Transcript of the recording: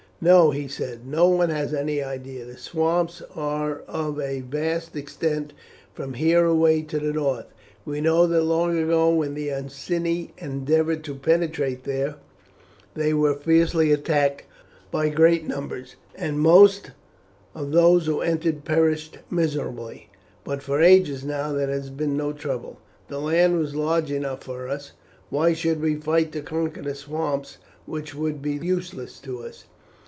"No," he said, "no one has any idea; the swamps are of a vast extent from here away to the north. We know that long ago when the Iceni endeavoured to penetrate there they were fiercely attacked by great numbers, and most of those who entered perished miserably, but for ages now there has been no trouble. The land was large enough for us, why should we fight to conquer swamps which would be useless to us?